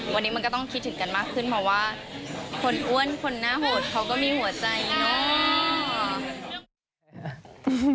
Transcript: วันนี้มันก็ต้องคิดถึงกันมากขึ้นเพราะว่าคนอ้วนคนหน้าโหดเขาก็มีหัวใจเนอะ